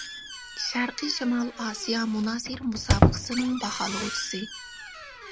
شەرقىي شىمال ئاسىيا مۇنازىرە مۇسابىقىسىنىڭ باھالىغۇچىسى.